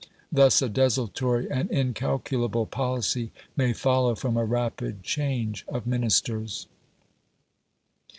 Thus a desultory and incalculable policy may follow from a rapid change of Ministers.